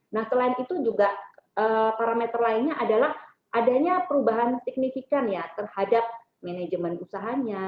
nah selain itu juga parameter lainnya adalah adanya perubahan signifikan ya terhadap manajemen usahanya